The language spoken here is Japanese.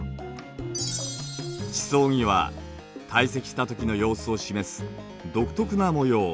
地層には堆積した時の様子を示す独特な模様